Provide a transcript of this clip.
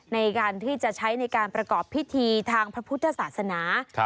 ในการที่จะใช้ในการประกอบพิธีทางพระพุทธศาสนา